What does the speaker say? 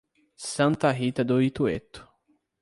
Santa Rita do Itueto